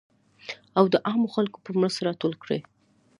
او د عامو خلکو په مرسته راټول کړي .